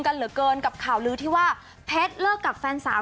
กันเหลือเกินกับข่าวลือที่ว่าเพชรเลิกกับแฟนสาว